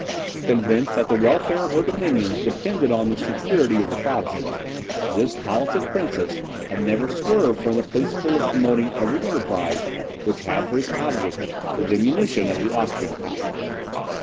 Convinced that the welfare of her dominions depended on the security of the Protestants, this politic princess had never swerved from the principle of promoting every enterprise which had for its object the diminution of the Austrian power.